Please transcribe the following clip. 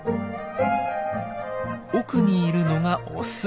奥にいるのがオス。